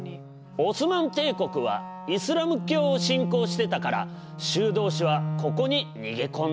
オスマン帝国はイスラム教を信仰してたから修道士はここに逃げ込んだってわけ。